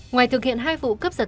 ngoài thực hiện hai vụ cấp giật